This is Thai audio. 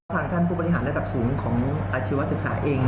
ทางท่านผู้บริหารระดับสูงของอาชีวศึกษาเอง